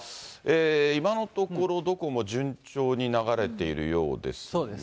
今のところ、どこも順調に流れているようですね。